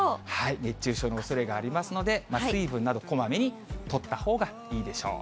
熱中症のおそれがありますので、水分など、こまめにとったほうがいいでしょう。